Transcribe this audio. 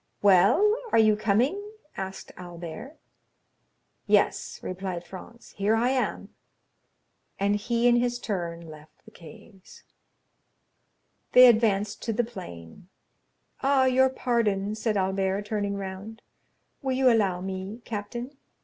"Well, are you coming?" asked Albert. "Yes," replied Franz, "here I am," and he, in his turn, left the caves. They advanced to the plain. "Ah, your pardon," said Albert, turning round; "will you allow me, captain?"